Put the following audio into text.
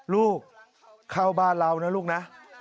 ลูกเข้าบ้านเรานะลูกนะ